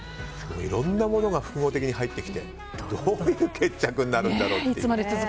いろんなものが複合的に入ってきてどういう決着になるんだろうと。